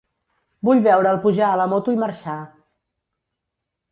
Vull veure'l pujar a la moto i marxar.